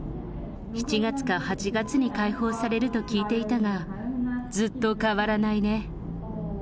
７月か８月に開放されると聞いていたが、ずっと変わらないね。